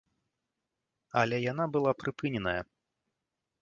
Але яна была прыпыненая.